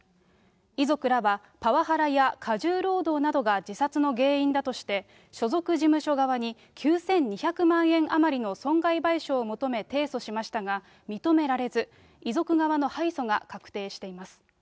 遺族らは、パワハラや過重労働などが自殺の原因だとして、所属事務所側に、９２００万円余りの損害賠償を求め提訴しましたが、認められず、遺族側の敗訴が確定しています。